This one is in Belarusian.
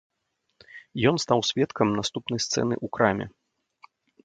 Ён стаў сведкам наступнай сцэны ў краме.